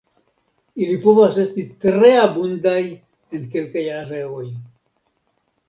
Ili povas esti tre abundaj en kelkaj areoj.